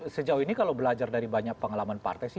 sejauh ini kalau belajar dari banyak pengalaman partai sih